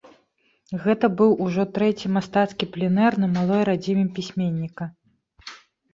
Гэта быў ужо трэці мастацкі пленэр на малой радзіме пісьменніка.